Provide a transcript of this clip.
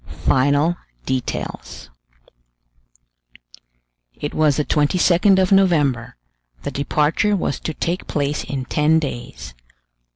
FINAL DETAILS It was the 22nd of November; the departure was to take place in ten days.